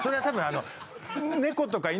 あの。